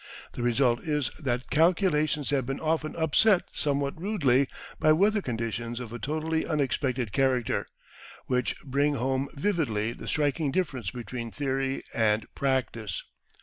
The result is that calculations have been often upset somewhat rudely by weather conditions of a totally unexpected character, which bring home vividly the striking difference between theory and practice.